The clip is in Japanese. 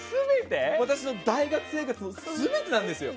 私の大学生活の全てなんですよ！